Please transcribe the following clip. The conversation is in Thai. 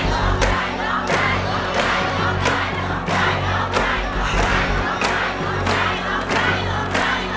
โลกใจโลกใจโลกใจโลกใจ